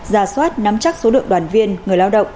ra soát nắm chắc số lượng đoàn viên người lao động